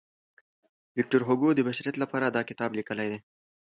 ویکټور هوګو د بشریت لپاره دا کتاب لیکلی دی.